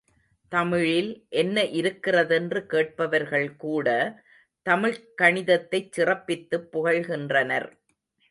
தமிழில் என்ன இருக்கிறதென்று கேட்பவர்கள்கூட, தமிழ்க் கணிதத்தைச் சிறப்பித்துப் புகழ்கின்றனர்.